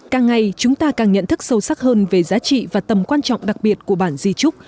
càng ngày chúng ta càng nhận thức sâu sắc hơn về giá trị và tầm quan trọng đặc biệt của bản di trúc